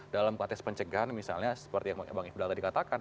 dalam konteks pencegahan misalnya seperti yang bang ifdal tadi katakan